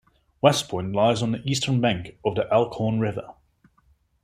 West Point lies on the eastern bank of the Elkhorn River.